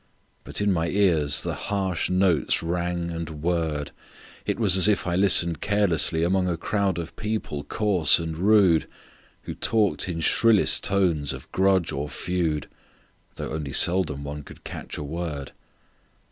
But in my ears the harsh notes rang and whirred; It was as if I listened carelessly Among a crowd of people coarse and rude, Who talked in shrillest tones of grudge or feud, Though only seldom one could catch a word.